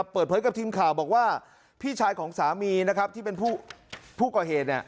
เปิดเผยกับทีมข่าวบอกว่าพี่ชายของสามีนะครับที่เป็นผู้ก่อเหตุ